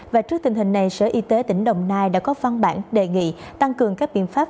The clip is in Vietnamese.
và trước tình hình này sở y tế tỉnh đồng nai đã có văn bản đề nghị tăng cường các biện pháp